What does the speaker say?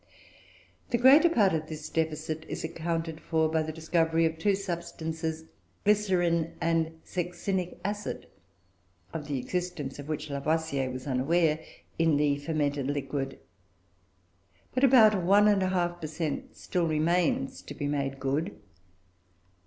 The greater part of this deficit is accounted for by the discovery of two substances, glycerine and succinic acid, of the existence of which Lavoisier was unaware, in the fermented liquid. But about 1 1/2 per cent. still remains to be made good.